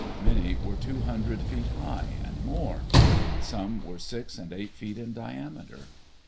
Many were two hun dred feet high and more. Some were six and eight feet in diameter.